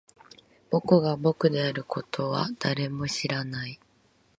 僕が僕であることは誰も知らない